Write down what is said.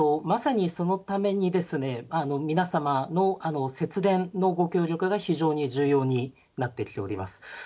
まさにそのために、皆様の節電のご協力が非常に重要になってきております。